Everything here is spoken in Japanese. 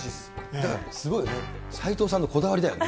だからすごいよね、齋藤さんのこだわりだよね。